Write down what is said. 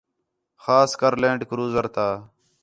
خاص کر لینڈ کروزر تا